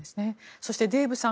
そしてデーブさん